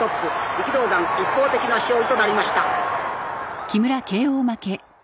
力道山一方的な勝利となりました。